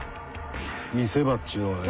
見せ場っちゅうのはね。